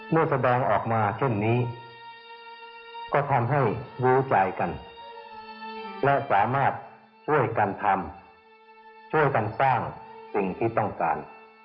เมื่อแสดงออกมาเช่นนี้ก็ทำให้รู้ใจกันและสามารถช่วยกันทำช่วยกันสร้างสิ่งที่ต้องการ